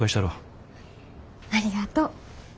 ありがとう。